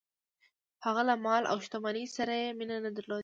هغه له مال او شتمنۍ سره یې مینه نه درلوده.